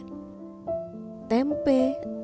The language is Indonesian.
dan disisihkan untuk keluarganya di kampung halaban